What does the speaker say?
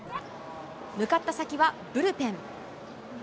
向かった先はブルペン。